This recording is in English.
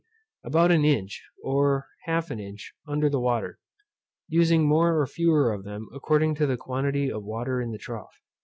_ about an inch, or half an inch, under the water, using more or fewer of them according to the quantity of water in the trough.